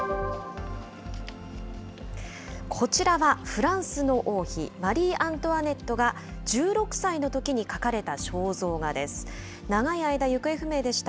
こちらはフランスの王妃、マリー・アントワネットが、１６歳のときに描かれた肖像画です。